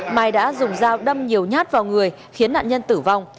mai đã dùng dao đâm nhiều nhát vào người khiến nạn nhân tử vong